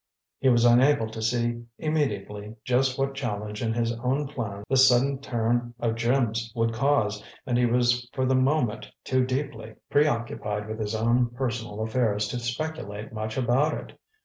He was unable to see, immediately, just what change in his own plans this sudden turn of Jim's would cause; and he was for the moment too deeply preoccupied with his own personal affairs to speculate much about it.